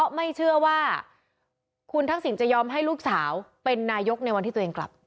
ขอไม่เชื่อว่าควรทั้งสินจะยอมให้ลูกสาวเป็นนายกในวันที่ตัวเอง